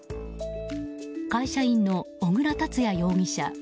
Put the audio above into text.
会社員の小椋達也容疑者